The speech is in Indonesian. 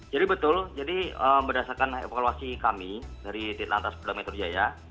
betul jadi berdasarkan evaluasi kami dari ditlantas polda metro jaya